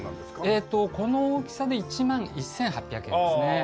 えーっとこの大きさで１万１８００円ですね。